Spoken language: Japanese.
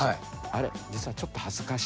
あれ実はちょっと恥ずかしい。